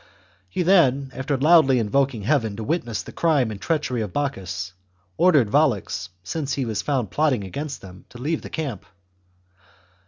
He then, after loudly invoking heaven to witness the crime and treachery of Bocchus, ordered Volux, since he was found plotting against them, to leave the camp.